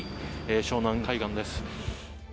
湘南海岸です。